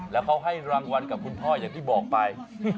แล้วเขาให้รางวัลกับคุณพ่ออย่างที่บอกไป